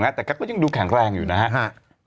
สีวิต้ากับคุณกรนิดหนึ่งดีกว่านะครับแฟนแห่เชียร์หลังเห็นภาพ